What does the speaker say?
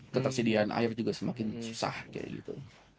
ketersediaan air juga semakin susah kayak gitu